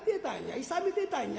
いさめてたんや。